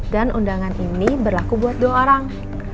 undangan ini berlaku buat dua orang